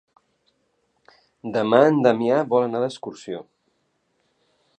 Demà en Damià vol anar d'excursió.